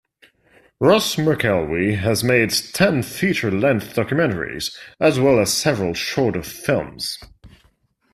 Ross McElwee has made ten feature-length documentaries as well as several shorter films.